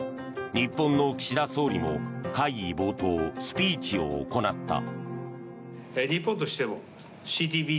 日本の岸田総理も会議冒頭スピーチを行った。